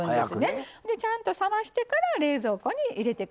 でちゃんと冷ましてから冷蔵庫に入れて下さい。